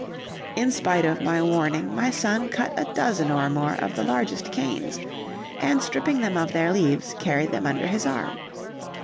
In spite of my warning, my son cut a dozen or more of the largest canes, and stripping them of their leaves, carried them under his arm.